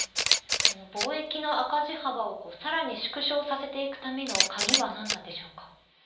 貿易の赤字幅をさらに縮小させていくための鍵は何なのでしょうか。